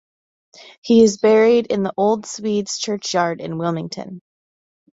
He is buried in the Old Swedes Churchyard in Wilmington.